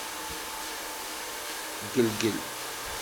Ggelgel.